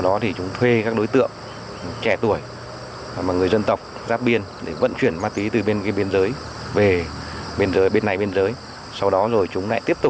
do một nhóm đối tượng người dân tộc mông chú tại huyện điện biên tổ chức thành đường dây khép kín để mang sang nước thứ ba tiêu thụ